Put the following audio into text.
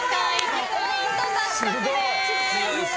５ポイント獲得です。